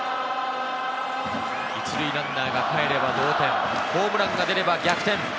１塁ランナーがかえれば同点、ホームランが出れば逆転。